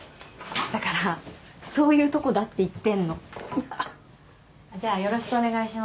だからそういうとこだって言ってんのははっじゃあよろしくお願いします